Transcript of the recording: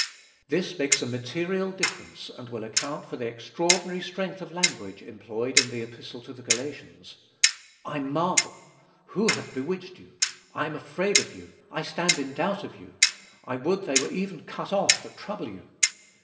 This makes a material difference and will account for the extraordinary strength of the language employed in the Epistle to the Galatians: "I marvel" "Who hath bewitched you?" "I am afraid of you" "I stand in doubt of you" "I would they were even cut off that trouble you."